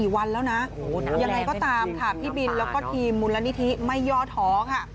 โอ้โฮน้ำแรงขึ้นจริงน้ำป่ายังไงก็ตามค่ะพี่บินแล้วก็ทีมมูลนิธิไม่ย่อท้อค่ะ